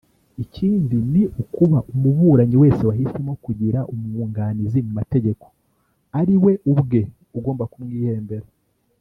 Ikindi ni ukuba umuburanyi wese wahisemo kugira umwunganizi mu mategeko ari we ubwe ugomba kumwihembera